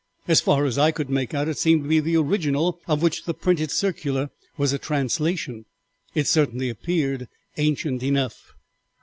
As far as I could make out it seemed to be the original of which the printed circular was a translation. It certainly appeared ancient enough.